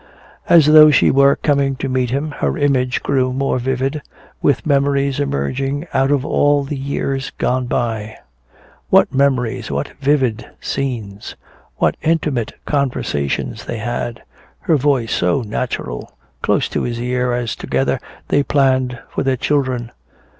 As though she were coming to meet him, her image grew more vivid, with memories emerging out of all the years gone by. What memories, what vivid scenes! What intimate conversations they had, her voice so natural, close in his ear, as together they planned for their children....